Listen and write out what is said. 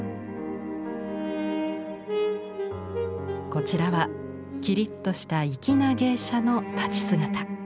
こちらはきりっとした粋な芸者の立ち姿。